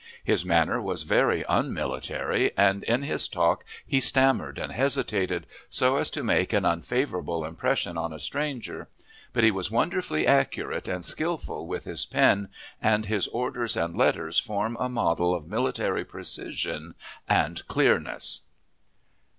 His manner was very unmilitary, and in his talk he stammered and hesitated, so as to make an unfavorable impression on a stranger; but he was wonderfully accurate and skillful with his pen, and his orders and letters form a model of military precision and clearness.